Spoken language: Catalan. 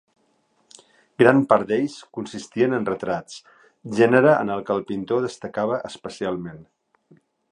Gran part d'ells consistien en retrats, genere en el que el pintor destacava especialment.